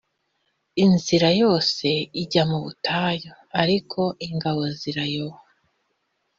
inzira yose ijya mu butayu ariko ingabo zirayoba